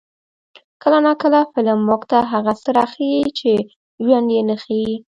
کله ناکله فلم موږ ته هغه څه راښيي چې ژوند یې نه ښيي.